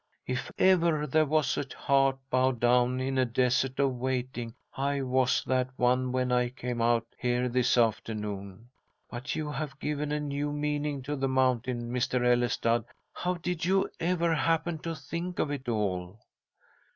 If ever there was a heart bowed down in a desert of waiting, I was that one when I came out here this afternoon. But you have given a new meaning to the mountain, Mr. Ellestad. How did you ever happen to think of it all?"